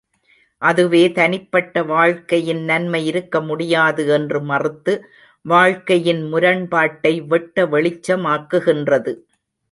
அதுவே தனிப்பட்ட வாழ்க்கையில் நன்மை இருக்க முடியாது என்று மறுத்து, வாழ்க்கையின் முரண்பாட்டை வெட்ட வெளிச்சமாக்குகின்றது.